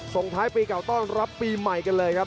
ส่งท้ายปีเก่าต้อนรับปีใหม่กันเลยครับ